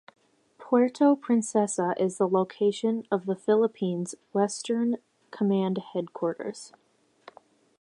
Puerto Princesa is the location of the Philippines' Western Command headquarters.